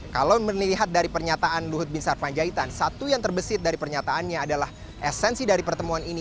kalau melihat dari pernyataan luhut bin sarpanjaitan satu yang terbesit dari pernyataannya adalah esensi dari pertemuan ini